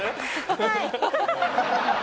はい。